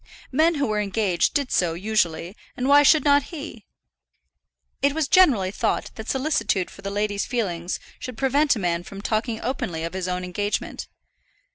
Men who were engaged did so usually, and why should not he? It was generally thought that solicitude for the lady's feelings should prevent a man from talking openly of his own engagement.